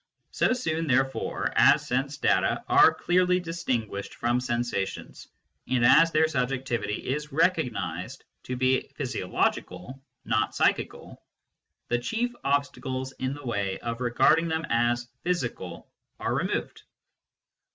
So soon, there fore, as sense data are clearly distinguished from sensa tions, and as their subjectivity is recognised to be physio logical not psychical, the chief obstacles in the way of regarding them as physical are removed.